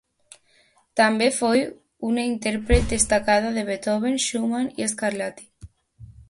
També fou una intèrpret destacada de Beethoven, Schumann i Scarlatti.